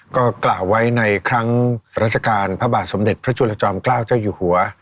ก็กล่าวไว้ในครั้งราชการพระบาทสมเด็จพระจุลจอมเกล้าเจ้าอยู่หัว